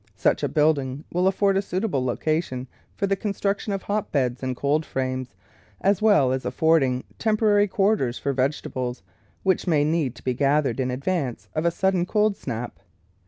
Such a building will afford a suitable location for the construction of hotbeds and coldframes, as well as affording tem porary quarters for vegetables, which may need to be gathered in advance of a sudden cold snap.